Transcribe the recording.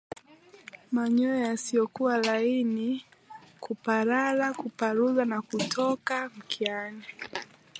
Manyoya yasiyokuwa laini kuparara kuparuza na kutoka mkiani